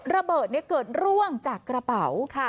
ระเบิดเกิดร่วงจากกระเป๋า